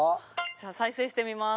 じゃあ再生してみます